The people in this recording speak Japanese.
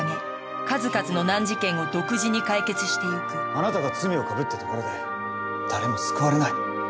あなたが罪をかぶったところで誰も救われない。